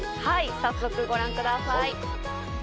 早速ご覧ください。